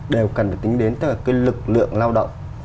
đều cần tính đến cái lực lượng lao động